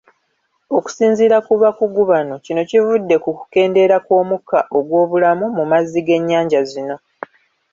Okusinziira ku bakugu bano, kino kivudde ku kukendeera kw’omukka ogw’obulamu mu mazzi g’ennyanja zino.